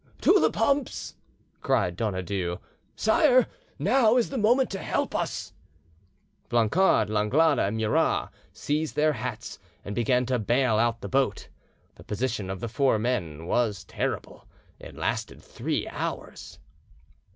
"To the pumps!" cried Donadieu. "Sire, now is the moment to help us—" Blancard, Langlade, and Murat seized their hats and began to bale out the boat. The position of the four men was terrible—it lasted three hours.